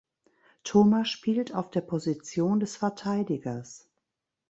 Toma spielt auf der Position des Verteidigers.